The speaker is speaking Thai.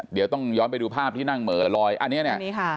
เดี๋ยวต้องย้อนไปดูภาพที่นั่งเหม่อลอยอันนี้เนี่ย